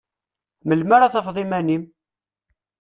Melmi ara tafeḍ iman-im?